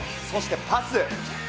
そしてパス。